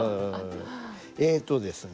えっとですね